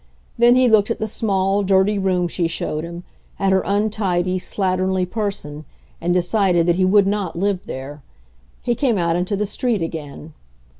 Then he looked at the small, dirty room she showed him, at her untidy, slatternly person, and decided that he would not live there. He came out into the street again.